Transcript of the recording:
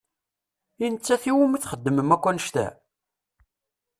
I nettat i wumi txedmem akk annect-a?